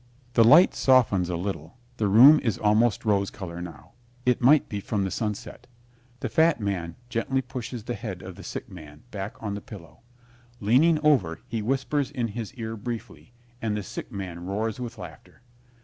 The light softens a little. The room is almost rose color now. It might be from the sunset. The Fat Man gently pushes the head of the Sick Man back on the pillow. Leaning over, he whispers in his ear briefly and the Sick Man roars with laughter.